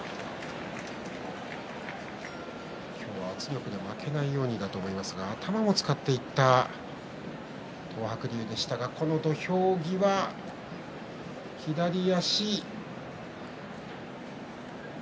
今日は圧力で負けないようにだと思いますが、頭を使っていった東白龍でしたが、この土俵際左足。